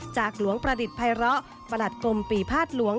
จากหลวงประดิษฐภัยร้อประหลัดกรมปีภาษณหลวง